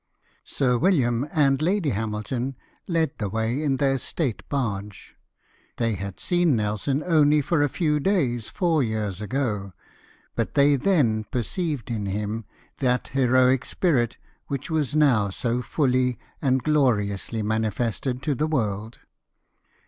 Sir William and Lady Hamilton led the way in their state barge. They had seen Nelson only for a few days four years LADY HAMILTON. Ifil ago, but they then perceived in him that heroic spirit which was now so fully and gloriously manifested to the world.